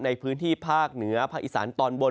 ในพื้นที่ภาคเหนือภาคอีสานตอนบน